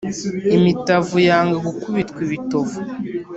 Imitavu yanga gukubitwa ibitovu